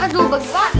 aduh bagi pak